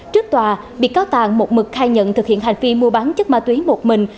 trước tòa bị cáo tàn một mực khai nhận thực hiện hành vi mua bán chất ma túy một mình